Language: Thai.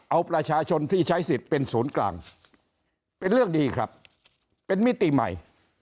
เอาประชาชนที่ใช้สิทธิ์เป็นศูนย์กลางเป็นเรื่องดีครับเป็นมิติใหม่